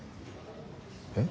えっ？